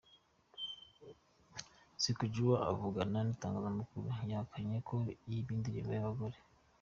Sikujua avugana n’itangazamakuru, yahakanye ko yibye imirimbo y’abagore.